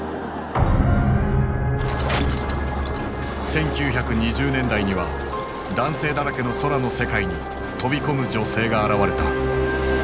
１９２０年代には男性だらけの空の世界に飛び込む女性が現れた。